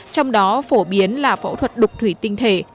trong đó phổ biến là phẫu thuật đục thủy tinh thể